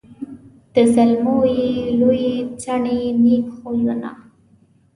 د زلمو یې لويي څوڼي نېک خویونه